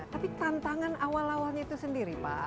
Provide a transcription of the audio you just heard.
tapi tantangan awal awalnya itu sendiri pak